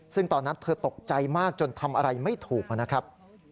ซึ่งตอนนั้นเธอตกใจมากจนทำอะไรไม่ถูกนะครับ